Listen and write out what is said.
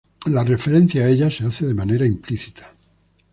La referencia a ella se hace de manera implícita.